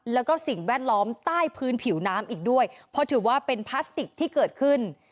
แล้วก็สิ่งแวดล้อมใต้พื้นผิวน้ำอีกด้วยเพราะถือว่าเป็นพลาสติกที่เกิดขึ้น